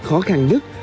khó khăn nhất